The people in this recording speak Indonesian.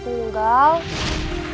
terus mau ngundang punya nyitop